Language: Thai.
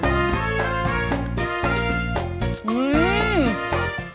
อื้อ